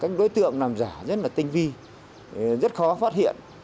các đối tượng làm giả rất là tinh vi rất khó phát hiện